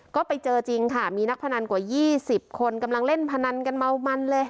ก็ไปเจอจริงค่ะมีนักพนันกว่า๒๐คนกำลังเล่นพนันกันเมามันเลย